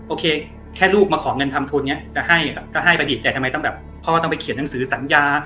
โอเคแค่ลูกมาขอเงินทำทุนเนี่ยก็ให้ไปดิแต่ทำไมต้องแบบพ่อต้องไปเขียนหนังสือสัญญา